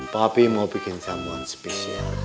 papi mau bikin sambungan spesial